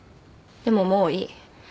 でももういい。